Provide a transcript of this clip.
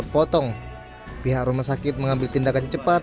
potong pihak rumah sakit mengambil tindakan cepat